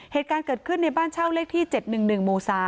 เหตุการณ์เกิดขึ้นในบ้านเช่าเลขที่๗๑๑หมู่๓